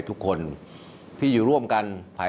วันนี้นั้นผมจะมาพูดคุยกับทุกท่าน